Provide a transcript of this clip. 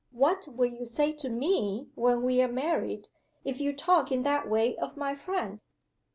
What will you say to Me when we are married if you talk in that way of my friend?"